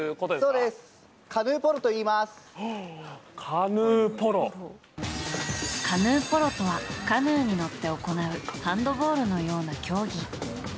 カヌーポロとはカヌーに乗って行うハンドボールのような競技。